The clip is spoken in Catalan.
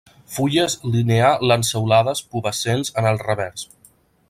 Fulles linear-lanceolades pubescents en el revers.